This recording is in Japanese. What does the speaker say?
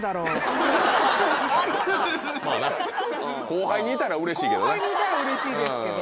後輩にいたらうれしいですけど。